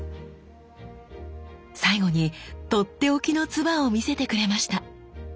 最後にとっておきの鐔を見せてくれました。